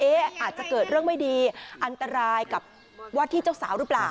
อาจจะเกิดเรื่องไม่ดีอันตรายกับวัดที่เจ้าสาวหรือเปล่า